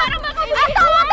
ata lo tengah banget